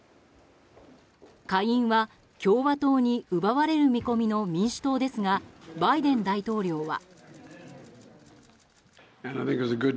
下院は共和党に奪われる見込みの民主党ですがバイデン大統領は。